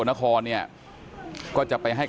แล้วอันนี้ก็เปิดแล้ว